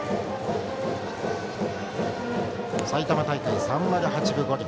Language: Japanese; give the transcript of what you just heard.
埼玉大会３割８分５厘。